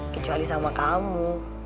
kecuali sama kamu